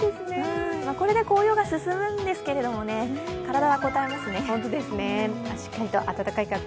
これで紅葉が進むんですけれども、体はこたえますね。